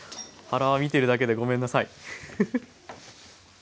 原は見てるだけでごめんなさい。